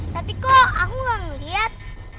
tapi kok aku gak ngeliat